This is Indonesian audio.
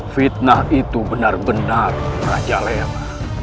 fitnah itu benar benar rajalela